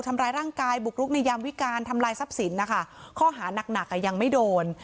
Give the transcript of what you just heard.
ทำร้ายร่างกายบุกรุกในยามวิการทำลายทรัพย์สินนะคะข้อหานักหนักอ่ะยังไม่โดน